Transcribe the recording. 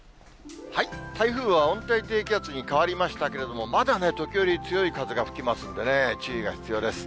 台風は温帯低気圧に変わりましたけれども、まだね、時折強い風が吹きますんでね、注意が必要です。